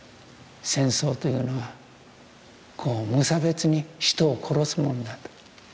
戦争というのは無差別に人を殺すものだと。